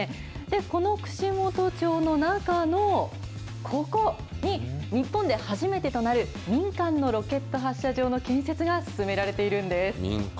この串本町の中のここに、日本で初めてとなる、民間のロケット発射場の建設が進められているんです。